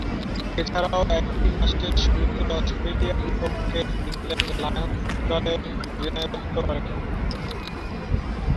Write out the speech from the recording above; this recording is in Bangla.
এছাড়াও একই মাসের শুরুতে অস্ট্রেলিয়ার বিপক্ষে ইংল্যান্ড লায়ন্স দলের অধিনায়কত্ব করেন।